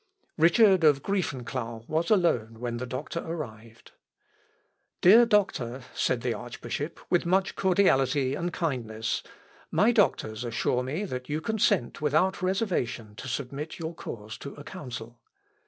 Richard of Grieffenklau was alone when the doctor arrived. "Dear doctor," said the archbishop, with much cordiality and kindness, "my doctors assure me that you consent without reservation to submit your cause to a Council."